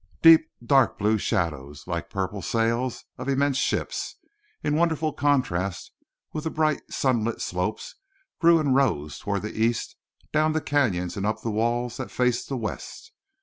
Deep dark blue shadows, like purple sails of immense ships, in wonderful contrast with the bright sunlit slopes, grew and rose toward the east, down the canyons and up the walls that faced the west.